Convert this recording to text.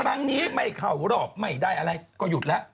อันนี้ไม่เข้าหรอกไม่ได้อะไรก็หยุดแหละ